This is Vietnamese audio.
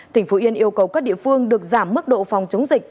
tỉnh phú yên yêu cầu các địa phương được giảm mức độ phòng chống dịch